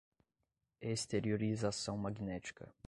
Exteriorização magnética